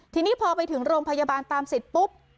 ทีนี้พอไปถึงโรงพยาบาลตามเสร็จปุ๊บ